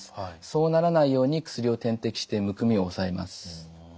そうならないように薬を点滴してむくみを抑えます。